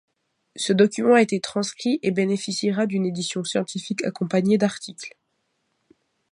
Ce document a été transcrit et bénéficiera d'une édition scientifique accompagnée d'articles.